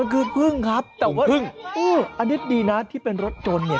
มันคือพึ่งครับแต่ว่าพึ่งอันนี้ดีนะที่เป็นรถยนต์เนี่ย